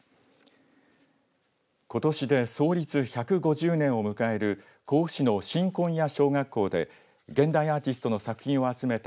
ことしで創立１５０年を迎える甲府市の新紺屋小学校で現代アーティストの作品を集めた。